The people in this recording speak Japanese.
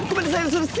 嘘です。